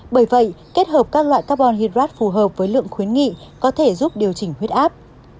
bởi vậy kết hợp các loại carbon hydrat phù hợp với lượng khuyến nghị có thể giúp điều chỉnh huyết áp